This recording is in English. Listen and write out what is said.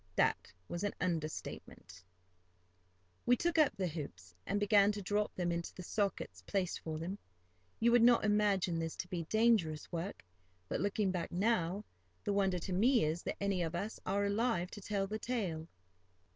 That was an under estimate. We took up the hoops, and began to drop them into the sockets placed for them. You would not imagine this to be dangerous work; but, looking back now, the wonder to me is that any of us are alive to tell the tale.